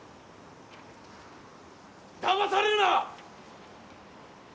だまされるな！